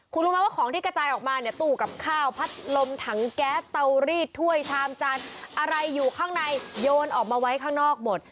คุณรู้ไหมว่าของที่กระจายออกมาเนี่ยตู้กับข้าวพัดลมถังแก๊สเตารีดถ้วยชามจันทร์อะไรอยู่ข้างในโยนออกมาไว้ข้างนอกหมด